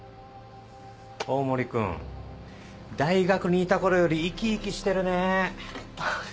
大森君大学にいた頃より生き生きしてるね。